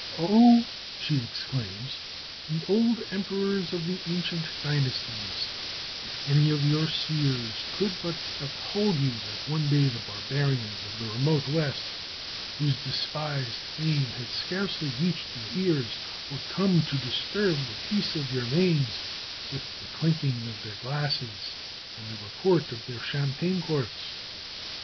"'Oh,' she exclaims, 'ye old emperors of the ancient dynasties, if any of your seers could but have told you that one day the barbarians of the remote West, whose despised name had scarcely reached your ears, would come to disturb the peace of your manes with the clinking of their glasses and the report of their champagne corks!'...